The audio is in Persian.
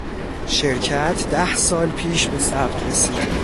شرکت ده سال پیش به ثبت رسید.